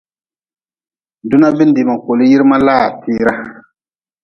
Duna bindee ma koli yirma laa tira.